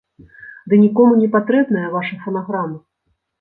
Ды нікому не патрэбная ваша фанаграма!